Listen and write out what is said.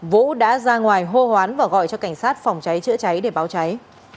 vũ đã ra ngoài hô hoán và gọi cho cảnh sát phòng cháy chữa cháy để báo cháy